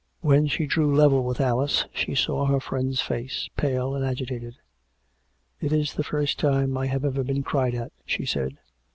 When she drew level with Alice, she saw her friend's face, pale and agitated. " It is the first time I have ever been cried at," she said.